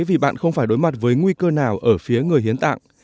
vì bạn không phải đối mặt với nguy cơ nào ở phía người hiến tạng